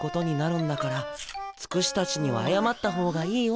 つくしたちにはあやまった方がいいよ！